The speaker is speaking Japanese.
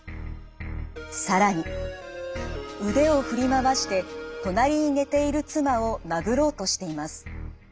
更に腕を振り回して隣に寝ている妻を殴ろうとしています。